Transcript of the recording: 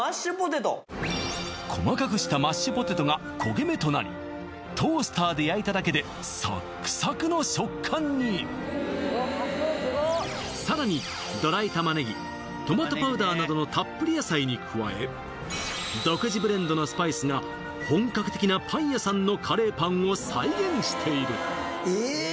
細かくしたマッシュポテトが焦げ目となりトースターで焼いただけでサックサクの食感にさらになどのたっぷり野菜に加えが本格的なパン屋さんのカレーパンを再現しているえっ